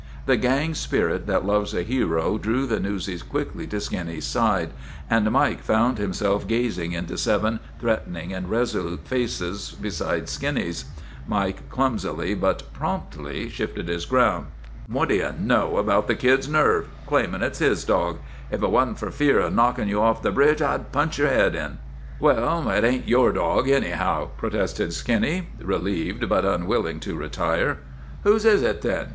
The gang spirit that loves a hero drew the newsies quickly to Skinny's side, and Mike found himself gazing into seven 1 64 SPIDER OF THE NEWSIES threatening and resolute faces beside Skinny's. Mike clumsily but promptly shifted his ground. " What do you know about the kid's nerve claimin' it's his dog! If it wasn't for fear of knockin' you off the bridge I 'd punch your head in." "Well, it ain't your dog, anyhow," protested Skinny, relieved but unwilling to retire. " Whose is it then?